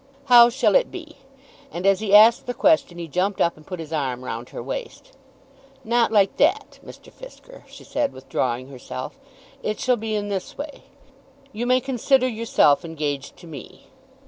"How shall it be?" and as he asked the question he jumped up and put his arm round her waist. "Not like that, Mr. Fisker," she said, withdrawing herself. "It shall be in this way. You may consider yourself engaged to me."